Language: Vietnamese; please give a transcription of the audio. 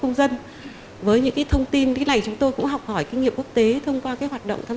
công dân với những thông tin chúng tôi cũng học hỏi kinh nghiệm quốc tế thông qua hoạt động tham